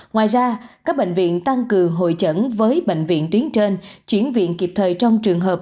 ngoài ra các bệnh viện tăng cường hội chẩn với bệnh viện tuyến trên chuyển viện kịp thời trong trường hợp